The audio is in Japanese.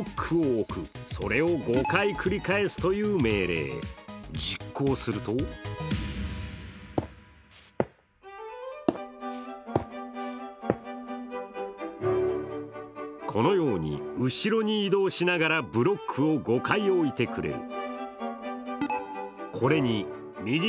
例えばこちらは実行するとこのように、後ろに移動しながらブロックを５回置いてくれる。